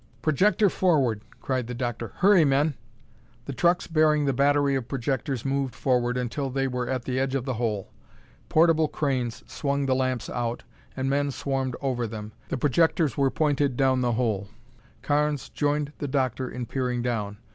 "Projector forward!" cried the doctor. "Hurry, men!" The trucks bearing the battery of projectors moved forward until they were at the edge of the hole. Portable cranes swung the lamps out, and men swarmed over them. The projectors were pointed down the hole. Carnes joined the doctor in peering down.